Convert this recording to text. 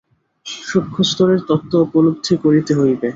সূক্ষ্মস্তরের তত্ত্ব উপলব্ধি করিতে হইবে।